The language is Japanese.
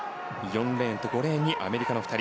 ４レーンと５レーンにアメリカの２人。